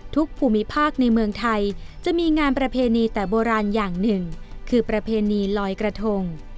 ภูมิภาคในเมืองไทยจะมีงานประเพณีแต่โบราณอย่างหนึ่งคือประเพณีลอยกระทง